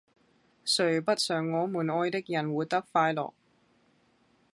誰不想我們愛的人活得快樂